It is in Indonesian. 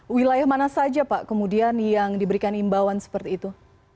wilayah mana saja pak kemudian yang diberikan imbauan seperti itu